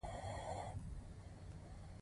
د لاره اواز د دوی زړونه ارامه او خوښ کړل.